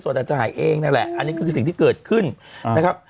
ส่วนอาจจะหายเองนั่นแหละอันนี้คือสิ่งที่เกิดขึ้นนะครับ